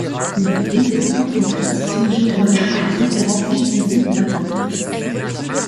Une vive controverse surgit alors entre les différents érudits de la Provence.